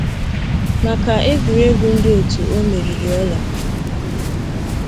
Maka egwuregwu ndi otu o meriri ọla.